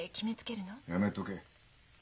やめとけ。